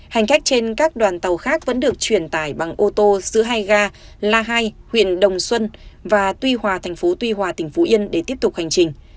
hành khách trên các đoàn tàu khác vẫn được chuyển tải bằng ô tô giữa hai ga la hai huyện đồng xuân và tuy hòa tp tuy hòa tp yên để tiếp tục hành trình